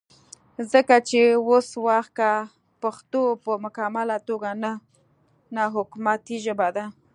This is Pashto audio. ځکه چې وس وخت کې پښتو پۀ مکمله توګه نه حکومتي ژبه ده